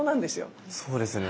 そうですよね。